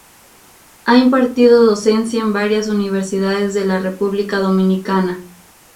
Ha impartido docencia en varias Universidades de la República Dominicana.